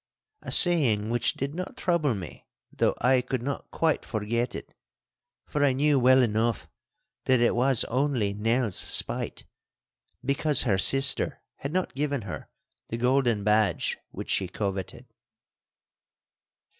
A saying which did not trouble me, though I could not quite forget it, for I knew well enough that it was only Nell's spite, because her sister had not given her the golden badge which she coveted.